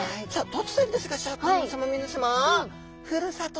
突然ですがシャーク香音さま皆さま